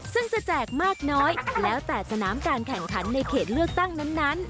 ซึ่งจะแจกมากน้อยแล้วแต่สนามการแข่งขันในเขตเลือกตั้งนั้น